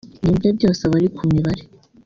ibintu bye byose aba ari ku mibare